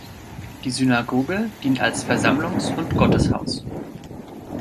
Die Synagoge dient als Versammlungs- und Gotteshaus.